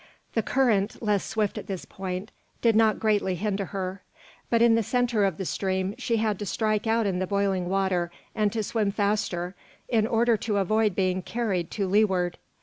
The current, less swift at this point, did not greatly hinder her, but in the centre of the stream she had to strike out in the boiling water and to swim faster in order to avoid being carried to leeward.